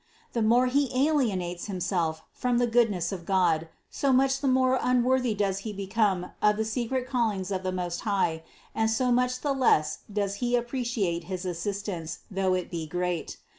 The more he alienates himself from the good ness of God, so much the more unworthy does he be come of the secret callings of the Most High, and so much the less does he appreciate his assistance, though it be great.